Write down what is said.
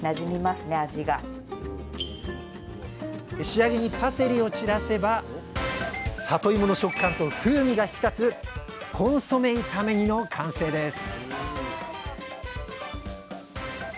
仕上げにパセリを散らせばさといもの食感と風味が引き立つコンソメ炒め煮の完成です！